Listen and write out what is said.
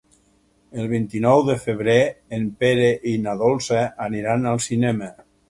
El vint-i-nou de febrer en Pere i na Dolça aniran al cinema.